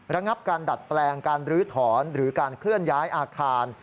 ระงับการดัดแปลงการลื้อถอนหรือการเคลื่อนย้ายอาคาร